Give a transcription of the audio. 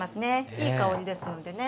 いい香りですのでね。